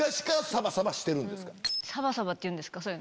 サバサバっていうんですか？